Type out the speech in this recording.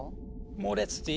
モレツティ。